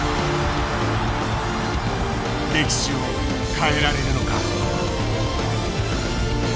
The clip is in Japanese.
歴史を変えられるのか。